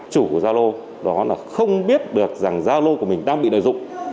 chủ của gia lô đó là không biết được rằng gia lô của mình đang bị nội dung